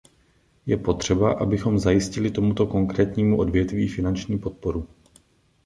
Je potřeba, abychom zajistili tomuto konkrétnímu odvětví finanční podporu.